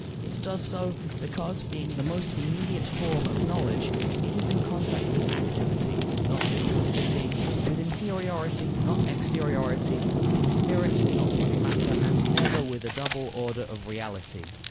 It does so, because, being the most immediate form of knowledge, it is in contact with activity, not with passivity; with interiority, not exteriority; with spirit, not with matter, and never with a double order of reality.